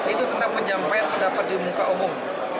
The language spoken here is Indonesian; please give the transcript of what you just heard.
itu tentang penyampaian pendapat di muka umum